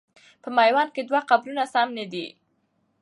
په میوند کې دوه قبرونه سم نه دي.